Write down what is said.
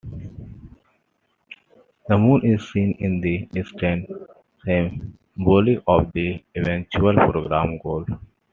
The Moon is seen in the distance, symbolic of the eventual program goal.